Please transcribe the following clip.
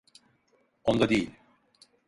Onda değil.